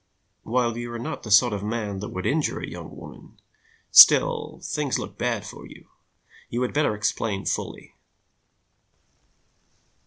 While you are not the sort of man who would injure a young woman, still, things look bad for you. You had better explain fully."